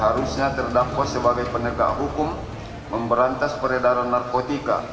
harusnya terdakwa sebagai penegak hukum memberantas peredaran narkotika